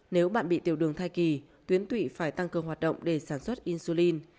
nếu bạn bị tiểu đường thai kỳ tuyến tụy phải tăng cường hoạt động để sản xuất insulin